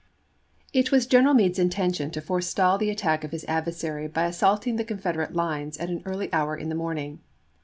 It was General Meade's intention to forestall the attack of his adversary by assaulting the Confeder ate lines at an early hour in the morning.